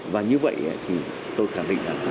và như vậy thì tôi khẳng định là